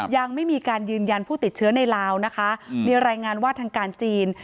ยังไม่มีการยืนยันผู้ติดเชื้อในลาวนะคะมีรายงานว่าทางการจีน